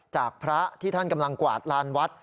จากพระที่ท่านกำลังกวาดลานวัด